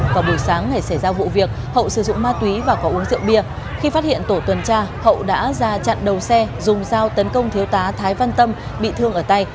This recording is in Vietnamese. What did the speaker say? vào buổi sáng ngày xảy ra vụ việc hậu sử dụng ma túy và có uống rượu bia khi phát hiện tổ tuần tra hậu đã ra chặn đầu xe dùng dao tấn công thiếu tá thái văn tâm bị thương ở tay